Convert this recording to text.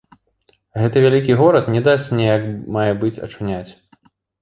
Гэты вялікі горад не дасць мне як мае быць ачуняць.